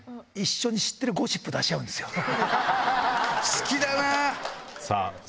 好きだなぁ。